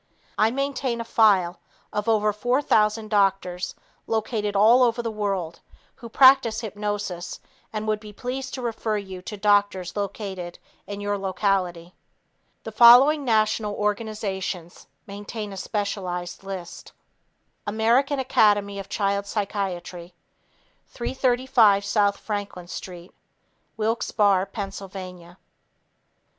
I maintain a file of over 4,000 doctors located all over the world who practice hypnosis and would be pleased to refer you to doctors located in your locality. The following national organizations maintain a specialized list: American Academy of Child Psychiatry 335 S. Franklin St. Wilkes Barre, Pa.